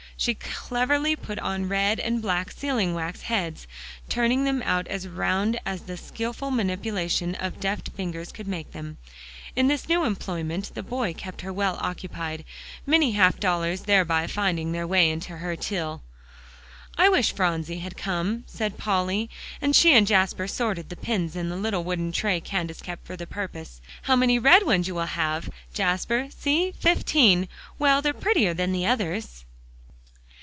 She cleverly put on red and black sealing wax heads, turning them out as round as the skillful manipulation of deft fingers could make them. In this new employment, the boy kept her well occupied, many half dollars thereby finding their way into her little till. "I wish Phronsie had come," said Polly, as she and Jasper sorted the pins in the little wooden tray Candace kept for the purpose. "How many red ones you will have, Jasper see fifteen; well, they're prettier than the others."